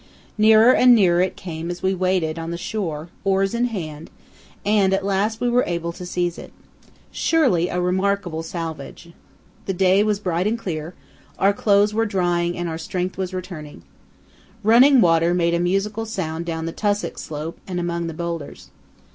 Nearer and nearer it came as we waited on the shore, oars in hand, and at last we were able to seize it. Surely a remarkable salvage! The day was bright and clear; our clothes were drying and our strength was returning. Running water made a musical sound down the tussock slope and among the boulders.